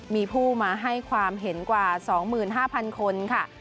มีผู้มาให้ความเห็นกว่า๒๕๐๐คนค่ะ